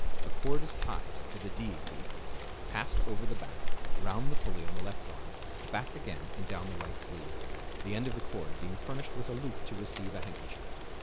A cord is tied to the "D" loop, passed over the back, round the pulley on the left arm, back again and down the right sleeve; the end of the cord being furnished with a loop to receive a handkerchief.